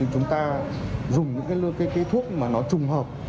chúng ta dùng những cái thuốc mà nó trùng hợp